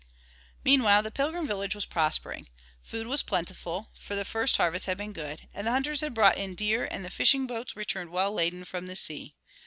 Meanwhile the Pilgrim village was prospering. Food was plentiful, for the first harvest had been good, and the hunters had brought in deer and the fishing boats returned well laden from the sea.